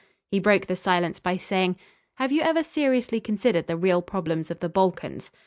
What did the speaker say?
He broke the silence by saying: "Have you ever seriously considered the real problems of the Balkans?"